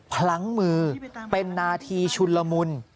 พลั้งมือเป็นนาทีชุนละมุน